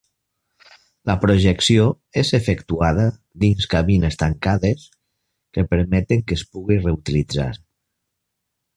La projecció és efectuada dins cabines tancades que permeten que es pugui reutilitzar.